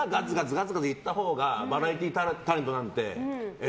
ガツガツ行ったほうがバラエティータレントなんて。